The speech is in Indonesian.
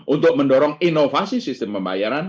untuk mendorong inovasi sistem pembayaran